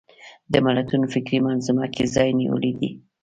د ملتونو فکري منظومه کې ځای نیولی دی